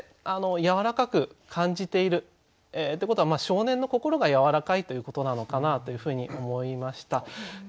あのやわらかく感じているってことは少年の心がやわらかいということなのかなというふうに思いました。